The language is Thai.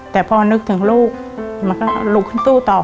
แต่พอนึกถึงลูกมันก็ลุกขึ้นสู้ต่อ